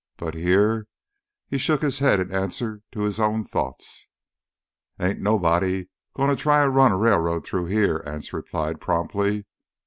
But here—he shook his head in answer to his own thoughts. "Ain't nobody gonna try to run a railroad through here," Anse replied promptly.